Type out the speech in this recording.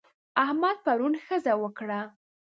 احمد پرون ښځه وکړه.